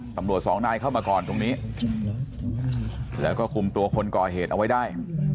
สองนายเข้ามาก่อนตรงนี้แล้วก็คุมตัวคนก่อเหตุเอาไว้ได้